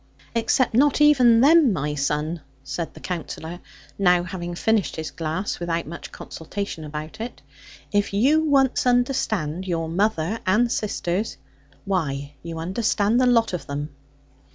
'Except not even them, my son, said the Counsellor, now having finished his glass, without much consultation about it; 'if you once understand your mother and sisters why you understand the lot of them.'